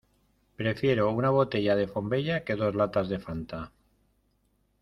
Prefiero una botella de Font Vella que dos latas de Fanta.